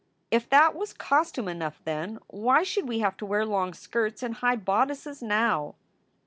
If that was costume enough then, why should we have to wear long skirts and high bodices now?